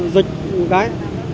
dịch một cái